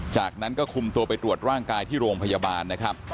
จากนั้นก็คุมตัวไปตรวจร่างกายที่โรงพยาบาลนะครับ